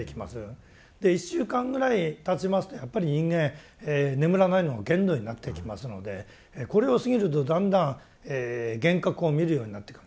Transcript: で１週間ぐらいたちますとやっぱり人間眠らないのが限度になっていきますのでこれを過ぎるとだんだん幻覚を見るようになってくるんですね。